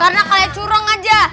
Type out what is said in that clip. karena kalian curang aja